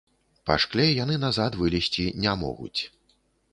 Па шкле яны назад вылезці не могуць.